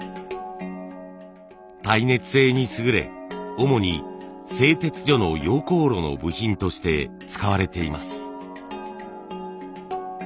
耐熱性に優れ主に製鉄所の溶鉱炉の部品として使われています。